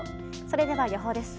それでは予報です。